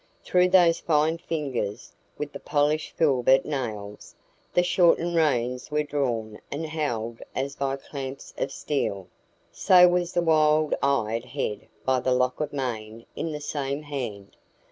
Through those fine fingers, with the polished filbert nails, the shortened reins were drawn and held as by clamps of steel; so was the wild eyed head by the lock of mane in the same hand.